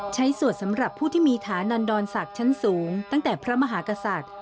สวดสำหรับผู้ที่มีฐานันดรศักดิ์ชั้นสูงตั้งแต่พระมหากษัตริย์